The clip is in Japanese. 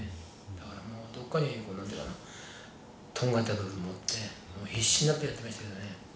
だからどっかに何ていうかなとんがった部分を持ってもう必死になってやってましたけどね。